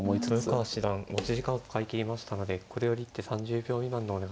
豊川七段持ち時間を使いきりましたのでこれより一手３０秒未満でお願いします。